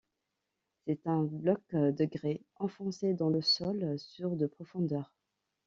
C'est un bloc de grès enfoncé dans le sol sur de profondeur.